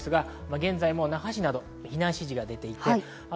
現在も那覇市など避難指示が出ています。